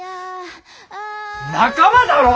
仲間だろ！